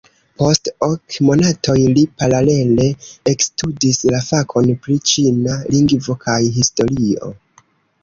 Post ok monatoj li paralele ekstudis la fakon pri ĉina lingvo kaj historio.